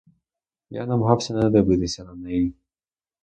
Я намагався не дивитися на неї.